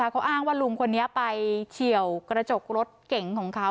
เขาอ้างว่าลุงคนนี้ไปเฉียวกระจกรถเก๋งของเขา